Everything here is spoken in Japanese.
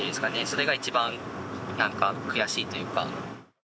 それが一番なんか悔しいというか。